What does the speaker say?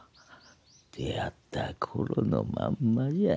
出会った頃のまんまじゃ。